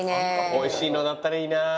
おいしいのだったらいいな。